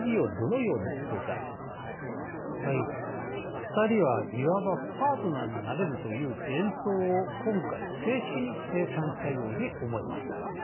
２人はいわばパートナーになれるという幻想を今回正式に清算したように思います。